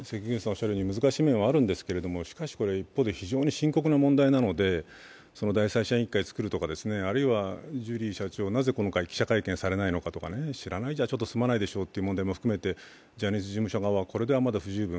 難しい面はあるんですけど、しかし、これ一方で非常に深刻な問題なので第三者委員会を作るとか、ジュリー社長はなぜ記者会見をしないのかとか、知らないでは済まないでしょうという問題も含めてジャニーズ事務所側、これではまだ不十分。